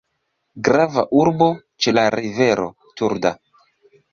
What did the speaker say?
Grava urbo ĉe la rivero: Turda.